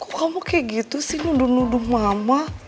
kok kamu kayak gitu sih nuduh nuduh mama